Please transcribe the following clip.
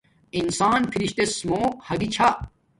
انسان فرشتہس موں ھاگی چھا